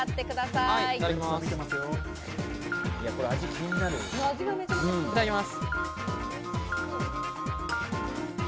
いただきます。